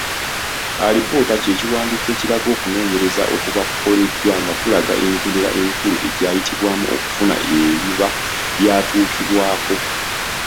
Alipoota ky’ekiwandiiko ekiraga okunoonyereza okuba kukoleddwa nga kulaga emitendera emikulu egyayitibwamu okufuna ebiba byatuukibwako.